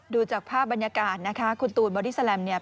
ดูจากภาพบรรยากาศนะคะคุณตูนบอดี้แลมเนี่ย